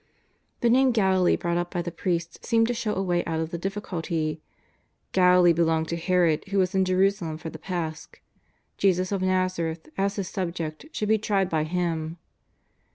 The name Galilee brought up by the priests seemed to show a way out of the difficulty. Galilee belonged to Herod, who was in Jerusalem for the Pasch. Jesus of Nazareth as his subject should be tried by him.